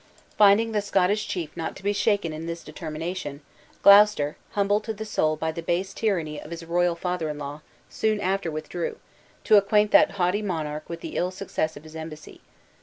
Finding the Scottish chief not to be shaken in this determination, Gloucester, humbled to the soul by the base tyranny of his royal father in law, soon after withdrew, to acquaint that haughty monarch with the ill success of his embassy.